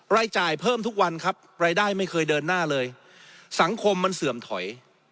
รายจ่ายเพิ่มทุกวันครับรายได้ไม่เคยเดินหน้าเลยสังคมมันเสื่อมถอย